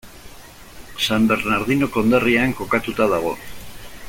San Bernardino konderrian kokatua dago.